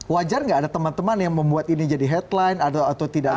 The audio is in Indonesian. wajar nggak ada teman teman yang membuat ini jadi headline atau tidak